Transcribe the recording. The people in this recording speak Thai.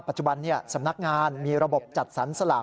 ปัจจุบันสำนักงานมีระบบจัดสรรสลาก